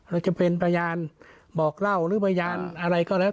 และเป็นประญาณบอกเล่าหรือประญาณอะไรก็แล้ว